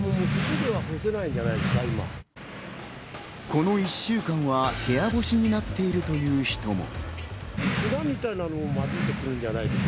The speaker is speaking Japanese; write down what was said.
この１週間は部屋干しになっているという人も。